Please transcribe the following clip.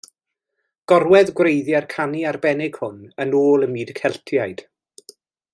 Gorwedd gwreiddiau'r canu arbennig hwn yn ôl ym myd y Celtiaid.